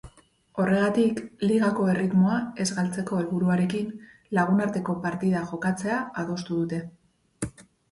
Horregatik, ligako erritmoa ez galtzeko helburuarekin, lagunarteko partida jokatzea adostu dute.